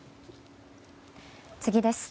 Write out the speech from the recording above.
次です。